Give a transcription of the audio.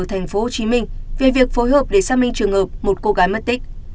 thành phố hồ chí minh về việc phối hợp để xác minh trường hợp một cô gái mất tích